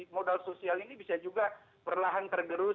modal sosial ini bisa juga perlahan tergerus